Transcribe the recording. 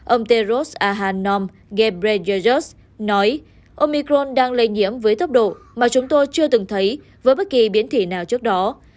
ông tedros adhanom ghebreyesus nói omicron đang lây nhiễm với tốc độ mà chúng tôi chưa từng thấy với bất kỳ biến thể nào trước đó